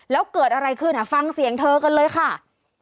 แล้วเกิดอะไรขึ้นฟังเสียงเธอกันเลยค่ะ